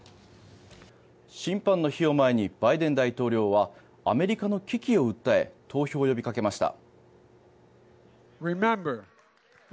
審判の日を前にバイデン大統領はアメリカの危機を訴え投票を呼びかけました。